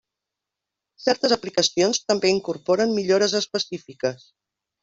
Certes aplicacions també incorporen millores específiques.